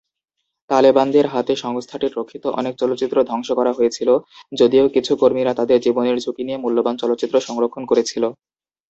তালেবানদের হাতে সংস্থাটির রক্ষিত অনেক চলচ্চিত্র ধ্বংস করা হয়েছিল, যদিও কিছু কর্মীরা তাদের জীবনের ঝুঁকি নিয়ে মূল্যবান চলচ্চিত্র সংরক্ষণ করেছিল।